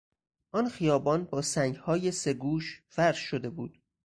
آن خیابان با سنگهای سه گوش فرش شده بود.